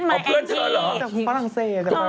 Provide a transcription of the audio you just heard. จากฝรั่งเศสจากบริษัท